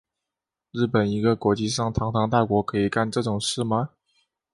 日本一个国际上堂堂大国可以干这种事吗？